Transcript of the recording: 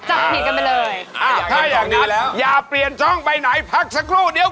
จับผิดกันไปเลย